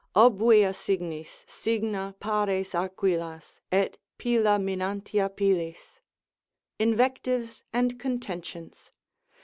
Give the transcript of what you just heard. ———obvia signis Signa, pares aquilas, et pila minantia pilis, Invectives and contentions.